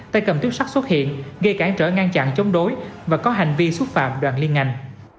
tay cầm tuyếp sắt xuất hiện gây cản trở ngăn chặn chống đối và có hành vi xúc phạm đoàn liên ngành